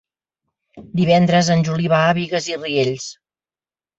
Divendres en Juli va a Bigues i Riells.